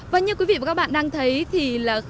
và như quý vị và các bạn đang thấy thì là